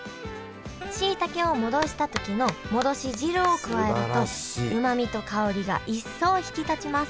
しいたけを戻した時の戻し汁を加えるとうまみと香りが一層引き立ちます